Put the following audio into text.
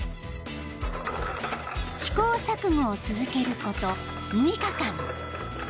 ［試行錯誤を続けること６日間］